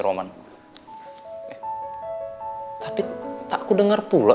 gue akan kasih semua buktinya ke lo